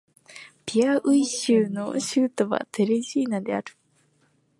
ピアウイ州の州都はテレジーナである